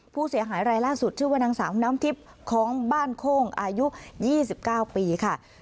ผู้เสียหายรายล่าสุดชื่อว่านางสาวน้ำทิพย์ของบ้านโค้งอายุ๒๙ปีค่ะ